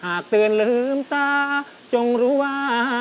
เตือนลืมตาจงรู้ว่า